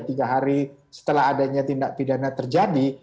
tiga hari setelah adanya tindak pidana terjadi